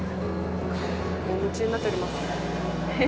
夢中になっております。